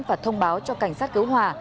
và thông báo cho cảnh sát cứu hỏa